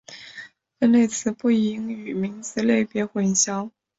分类词不应与名词类别混淆。